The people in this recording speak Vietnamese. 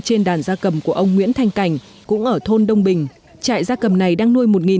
trên đàn gia cầm của ông nguyễn thanh cảnh cũng ở thôn đông bình chạy gia cầm này đang nuôi